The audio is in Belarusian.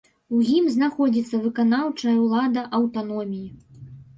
У ім знаходзіцца выканаўчая ўлада аўтаноміі.